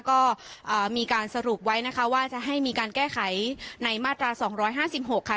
ก็อ่ามีการสรุปไว้นะคะว่าจะให้มีการแก้ไขในมาตราสองร้อยห้าสิบหกค่ะ